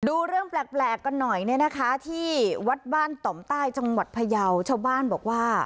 ดูเรื่องแปลกกันหน่อยเนี่ยนะคะที่วัดบ้านต่อมใต้จังหวัดพยาวชาวบ้านบอกว่า